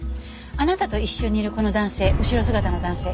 あなたと一緒にいるこの男性後ろ姿の男性